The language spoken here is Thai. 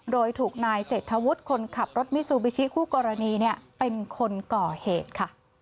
โดยถูกนายเศรษฐวุฒิคนขับรถมิซูบิชิคู่กรณีเป็นคนก่อเหตุค่ะ